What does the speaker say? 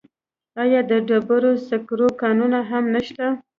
آیا د ډبرو سکرو کانونه هم نشته؟